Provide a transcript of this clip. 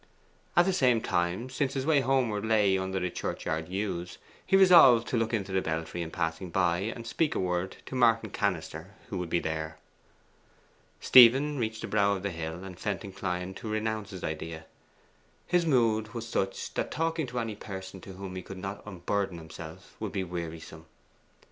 At the same time, since his way homeward lay under the churchyard yews, he resolved to look into the belfry in passing by, and speak a word to Martin Cannister, who would be there. Stephen reached the brow of the hill, and felt inclined to renounce his idea. His mood was such that talking to any person to whom he could not unburden himself would be wearisome.